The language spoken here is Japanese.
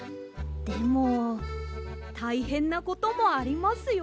でもたいへんなこともありますよ。